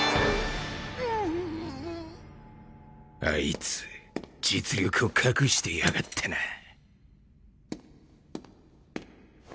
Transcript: あいつ実力を隠してやがったな